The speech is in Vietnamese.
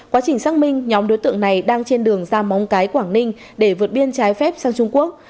quá trình xác minh nhóm đối tượng này đang trên đường ra móng cái quảng ninh để vượt biên trái phép sang trung quốc